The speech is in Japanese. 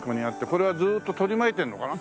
これはずーっと取り巻いてるのかな？